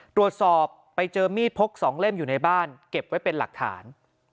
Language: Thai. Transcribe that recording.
ตรวจสอบไปเจอมีดพก๒เล่มอยู่ในบ้านเก็บไว้เป็นหลักฐาน